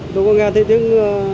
tôi có nghe thấy tiếng